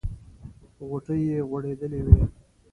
غوټۍ یې غوړېدلې وې.